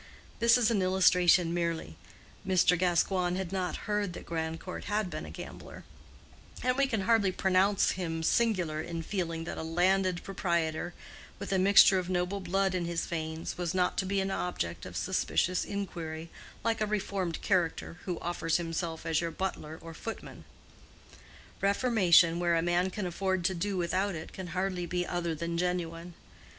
This is an illustration merely: Mr. Gascoigne had not heard that Grandcourt had been a gambler; and we can hardly pronounce him singular in feeling that a landed proprietor with a mixture of noble blood in his veins was not to be an object of suspicious inquiry like a reformed character who offers himself as your butler or footman. Reformation, where a man can afford to do without it, can hardly be other than genuine.